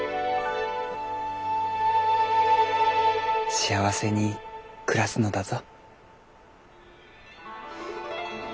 幸せに暮らすのだぞ。